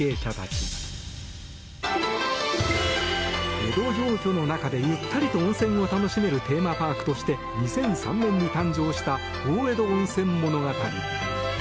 江戸情緒の中でゆったりと温泉を楽しめるテーマパークとして２００３年に誕生した大江戸温泉物語。